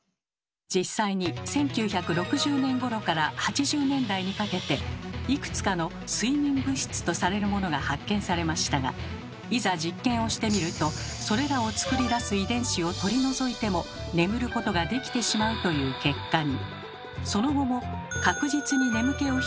実際に１９６０年ごろから８０年代にかけていくつかの睡眠物質とされるものが発見されましたがいざ実験をしてみるとそれらをつくり出す遺伝子を取り除いても眠ることができてしまうという結果に。